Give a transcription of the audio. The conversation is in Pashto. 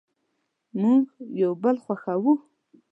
مونږ یو بل خوښوو